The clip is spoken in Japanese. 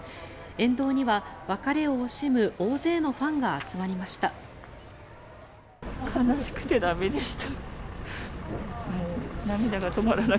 沿道には別れを惜しむ大勢のファンが集まりました。